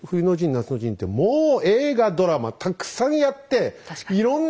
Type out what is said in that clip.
夏の陣ってもう映画ドラマたくさんやって。